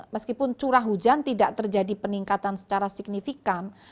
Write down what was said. meskipun curah hujan tidak terjadi peningkatan secara signifikan